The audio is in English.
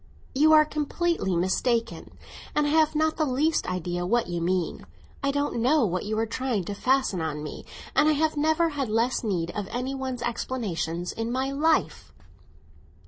"You are completely mistaken, and I have not the least idea what you mean. I don't know what you are trying to fasten on me, and I have never had less need of any one's explanations in my life."